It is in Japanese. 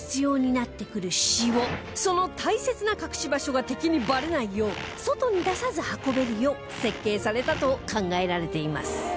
その大切な隠し場所が敵にバレないよう外に出さず運べるよう設計されたと考えられています